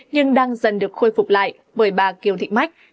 nhưng đang dần được khôi phục lại